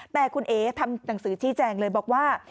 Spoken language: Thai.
แต่คุณเอ๋ทำหนังสือชี้แจงเลยบอกว่า